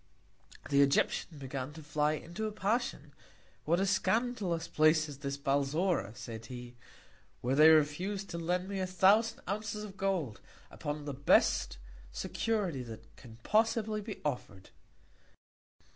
The Egyptian began to fly into a Passion; what a scandalous Place is this Balzora, said he, where they refuse to lend me a thousand Ounces of Gold, upon the best Security that can possibly be offer'd.